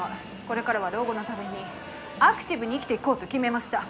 これからは老後のためにアクティブに生きていこうと決めました。